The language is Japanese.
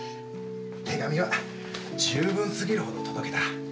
手紙は十分すぎるほど届けた。